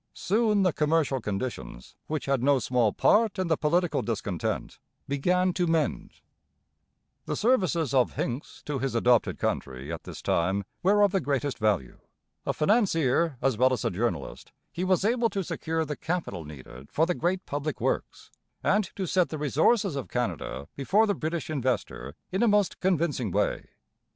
Soon the commercial conditions, which had no small part in the political discontent, began to mend. [Illustration: The Earl of Elgin. From a daguerreotype] The services of Hincks to his adopted country at this time were of the greatest value. A financier as well as a journalist, he was able to secure the capital needed for the great public works, and to set the resources of Canada before the British investor in a most convincing way.